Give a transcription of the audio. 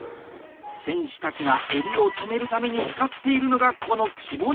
選手たちが襟を留めるために使っているのがこの「着物クリップ」。